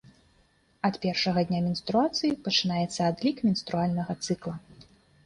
Ад першага дня менструацыі пачынаецца адлік менструальнага цыкла.